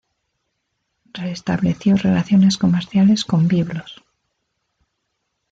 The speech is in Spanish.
Restableció relaciones comerciales con Biblos.